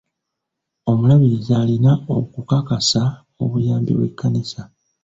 Omulabirizi alina okukakasa obuyambi bw'ekkanisa